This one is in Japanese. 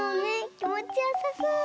きもちよさそう！